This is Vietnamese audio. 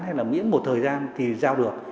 hay là miễn một thời gian thì giao được